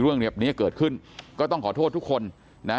เรื่องแบบนี้เกิดขึ้นก็ต้องขอโทษทุกคนนะ